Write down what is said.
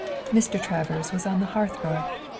Mr. Travers was on the hearth rug.